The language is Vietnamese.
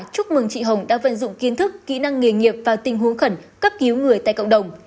chúc mừng chị hồng đã vận dụng kiến thức kỹ năng nghề nghiệp và tình huống khẩn cấp cứu người tại cộng đồng